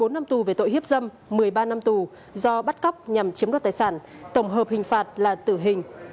bốn năm tù về tội hiếp dâm một mươi ba năm tù do bắt cóc nhằm chiếm đoạt tài sản tổng hợp hình phạt là tử hình